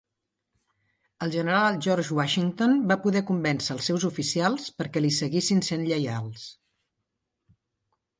El general George Washington va poder convèncer els seus oficials perquè li seguissin sent lleials.